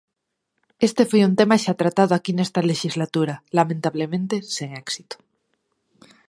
Este foi un tema xa tratado aquí nesta lexislatura, lamentablemente sen éxito.